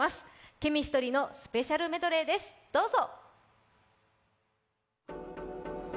ＣＨＥＭＩＳＴＲＹのスペシャルメドレーです、どうぞ！